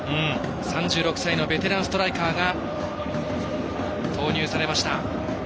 ３６歳のベテランストライカーが投入されました。